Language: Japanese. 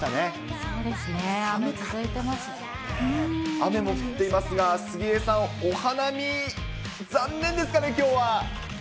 雨も降っていますが、杉江さん、お花見、残念ですかね、きょうは。